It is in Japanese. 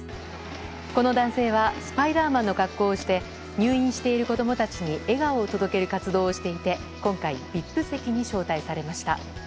この男性はスパイダーマンの格好をして入院している子供たちに笑顔を届ける活動をしていて今回ＶＩＰ席に招待されました。